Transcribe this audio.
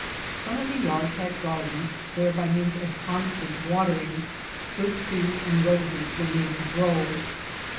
Some of the yards had gardens where, by means of constant watering, fruit trees and roses were made to grow.